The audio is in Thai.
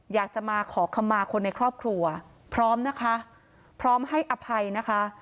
อยากจะมาขอคำมาคนในครอบครัวพร้อมนะคะพร้อมให้อภัยนะคะ